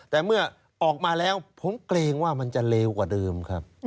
แต่เมื่อออกมาแล้วผมเกรงว่ามันจะเลวกว่าเดิมครับ